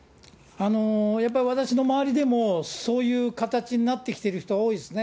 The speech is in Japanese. やっぱり私の周りでも、そういう形になってきている人は多いですね。